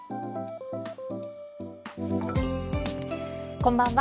こんばんは。